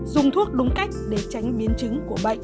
dùng thuốc đúng cách để tránh biến chứng của bệnh